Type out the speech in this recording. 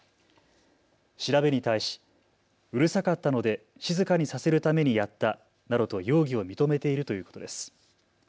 調べに対し、うるさかったので静かにさせるためにやったなどと容疑を認めているということです。